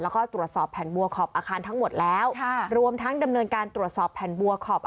และก็ตรวจสอบผ่านบัวขอบอาคารทั้งหมดแล้ว